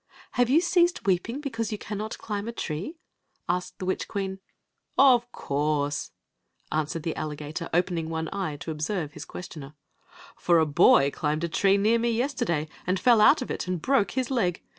"Have yiHi ceased weeping beouise you caimet climb a tree? asked the wifch queen. " Of cojirse," answered the alligator, opening one eye to observe his questioner. " For a boy climbed a tree near me yesterday and fell out of it and broke his leg.